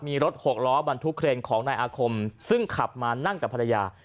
มีรถหกล้อบรรทุกเครนของนายอาคมซึ่งขับมานั่งกับภรรยา